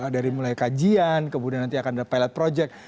dari mulai kajian kemudian nanti akan ada pilot project